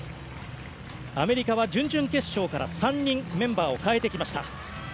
アメリカは準々決勝から３人メンバーを変えてきました。